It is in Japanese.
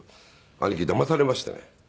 兄貴だまされましてね。